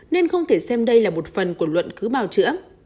nên không thể xem đây là một phần của luận cứ bào chữa